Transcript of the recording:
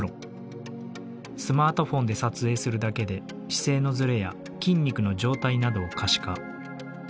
スマートフォンで撮影するだけで姿勢のずれや筋肉の状態などを可視化。